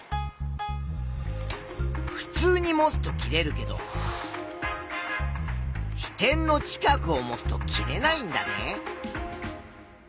ふつうに持つと切れるけど支点の近くを持つと切れないんだね。